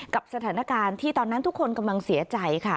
กับสถานการณ์ที่ตอนนั้นทุกคนกำลังเสียใจค่ะ